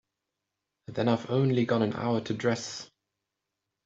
Then I've only got an hour to dress.